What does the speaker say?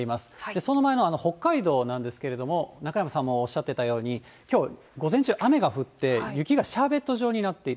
その前の北海道なんですけれども、中山さんもおっしゃってたように、きょう午前中、雨が降って雪がシャーベット状になっている。